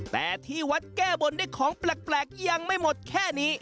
แต่ที่วัดแก้บนด้วยของแปลกยังไม่หมดแค่นี้